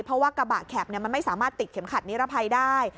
เพราะว่ากระบะแข็บมันไม่สามารถติดเข็มขัดนิรภัยได้